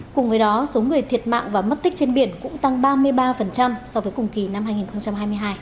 cùng với đó số người thiệt mạng và mất tích trên biển cũng tăng ba mươi ba so với cùng kỳ năm hai nghìn hai mươi hai